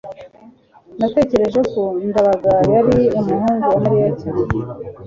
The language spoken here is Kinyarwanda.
natekereje ko ndabaga yari umuhungu wa mariya cyane